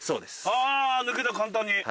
あぁ抜けた簡単に。